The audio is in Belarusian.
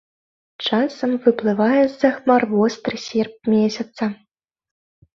Часам выплывае з-за хмар востры серп месяца.